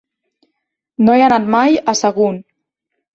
No he anat mai a Sagunt.